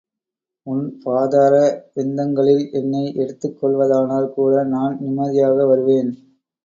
உன் பாதார விந்தங்களில் என்னை எடுத்துக் கொள்வதானால் கூட, நான் நிம்மதியாக வருவேன்.